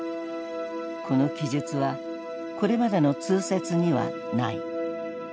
この記述はこれまでの通説にはない。